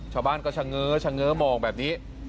ชาวบ้านก็เฉาะเฉาะเฉาะมองแบบนี้